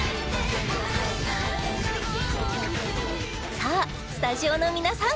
さあスタジオの皆さん